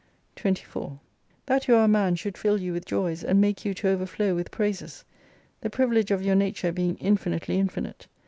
24 That you are a man should fill you with joys, and make you to overflow with praises. The privilege of your nature being infinitely infinite.